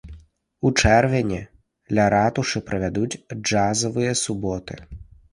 У чэрвені ля ратушы правядуць джазавыя суботы.